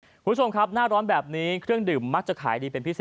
คุณผู้ชมครับหน้าร้อนแบบนี้เครื่องดื่มมักจะขายดีเป็นพิเศษ